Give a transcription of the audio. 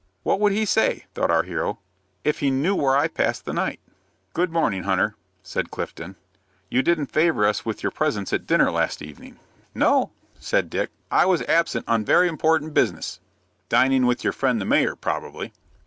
"What would he say," thought our hero, "if he knew where I passed the night?" "Good morning, Hunter," said Clifton. "You didn't favor us with your presence at dinner last evening." "No," said Dick. "I was absent on very important business." "Dining with your friend, the mayor, probably?"